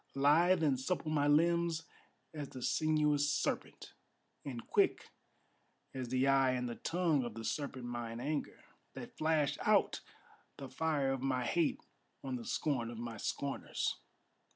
Lithe and supple my limbs as the sinuous serpent, And quick as the eye and the tongue of the serpent mine anger That flashed out the fire of my hate on the scorn of my scorners.